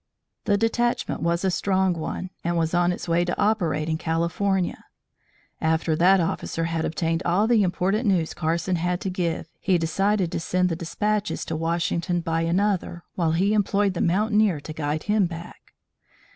The detachment was a strong one and was on its way to operate in California. After that officer had obtained all the important news Carson had to give, he decided to send the despatches to Washington by another, while he employed the mountaineer to guide him back.